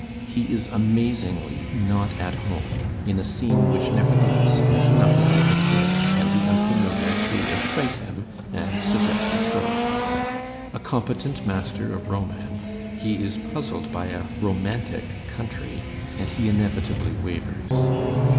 He is amazingly not at home in a scene which nevertheless has enough of the picturesque and the imf amiliar to excite him and suggest a story. A competent master of romance, he is puzzled by a "romantic" country and he inevitably wavers.